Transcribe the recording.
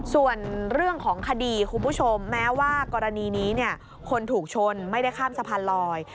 ส่วนเรื่องของคดีคุณผู้ชมแม้ว่ากรณีนี้คนถูกชนไม่ได้ข้ามสะพานลอย